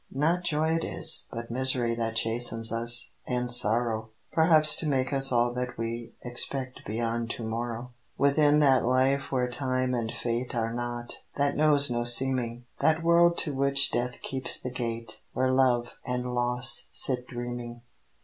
Not joy it is, but misery That chastens us, and sorrow; Perhaps to make us all that we Expect beyond To morrow. Within that life where time and fate Are not; that knows no seeming: That world to which death keeps the gate Where love and loss sit dreaming.